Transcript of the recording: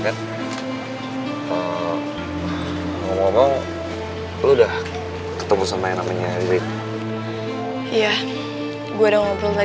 jadinya gak ada kayak ganteng itu mas